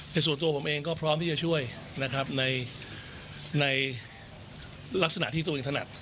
ส่วนตัวผมเองก็พร้อมที่จะช่วยนะครับในลักษณะที่ตัวเองถนัด